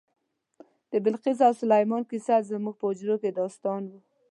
د بلقیس او سلیمان کیسه زموږ په حجرو کې داستان و.